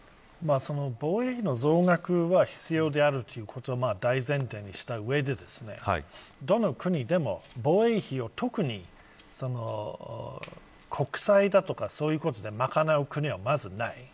防衛費の増額は必要であると大前提にした上でどの国でも防衛費を特に国債やそういうことで賄う国はまずない。